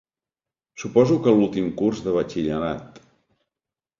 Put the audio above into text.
Suposo que l'últim curs de batxillerat.